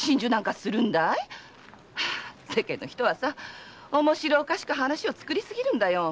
⁉世間の人は面白おかしく話を作りすぎるんだよ！